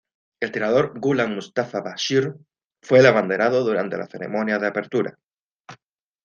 El tirador Ghulam Mustafa Bashir fue el abanderado durante la ceremonia de apertura.